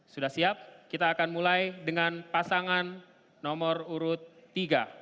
sudah siap kita akan mulai dengan pasangan nomor urut tiga